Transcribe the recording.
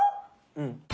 うん。